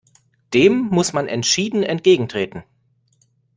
Dem muss man entschieden entgegentreten!